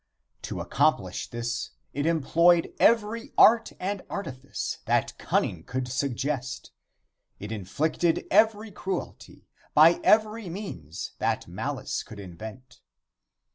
To accomplish this it employed every art and artifice that cunning could suggest It inflicted every cruelty by every means that malice could invent.